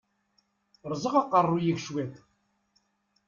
Ṛṛeẓ aqeṛṛu-yik cwiṭ!